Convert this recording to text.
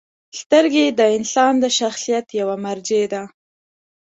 • سترګې د انسان د شخصیت یوه مرجع ده.